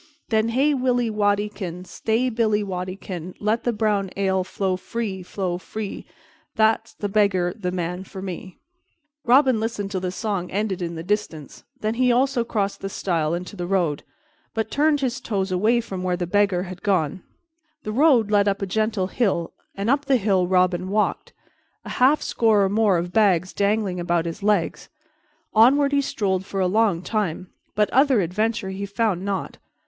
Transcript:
"Then hey, Willy Waddykin, Stay, Billy Waddykin, And let the brown ale flow free, flow free, The beggar's the man for me_." Robin listened till the song ended in the distance, then he also crossed the stile into the road, but turned his toes away from where the Beggar had gone. The road led up a gentle hill and up the hill Robin walked, a half score or more of bags dangling about his legs. Onward he strolled for a long time, but other adventure he found not.